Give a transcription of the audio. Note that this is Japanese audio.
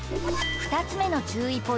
２つ目の注意